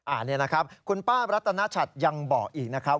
อันนี้นะครับคุณป้ารัตนชัดยังบอกอีกนะครับ